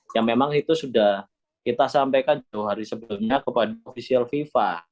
yang memang itu sudah kita sampaikan dua hari sebelumnya kepada viva